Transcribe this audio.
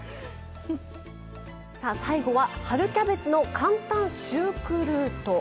さあ最後は春キャベツの簡単シュークルート。